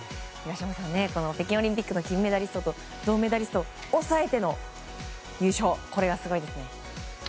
東山さん、北京オリンピックの金メダリストと銅メダリストを抑えての優勝すごいですね。